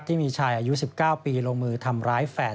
ที่มีชายอายุ๑๙ปีลงมือทำร้ายแฟน